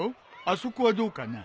あそこはどうかな？